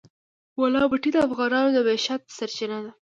د بولان پټي د افغانانو د معیشت سرچینه ده.